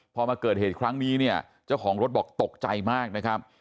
พอมาเกิดเหตุครั้งนี้เนี่ยเจ้าของรถบอกตกใจมากนะครับ